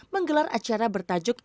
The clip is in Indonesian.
menggelar acara bertajuk